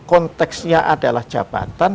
konteksnya adalah jabatan